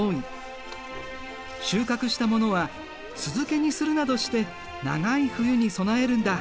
収穫したものは酢漬けにするなどして長い冬に備えるんだ。